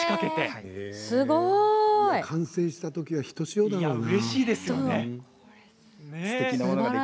すごい。完成したときはひとしおだろうな。